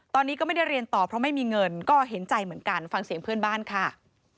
ตอนนี้ก็ไม่ได้เรียนต่อเพราะไม่มีเงินก็เห็นใจเหมือนกันฟังเสียงเพื่อนบ้านค่ะ